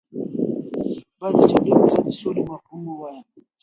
باید د جګړې پر ځای د سولې مفهوم ووایم.